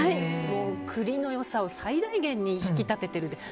栗の良さを最大限に引き立ててます。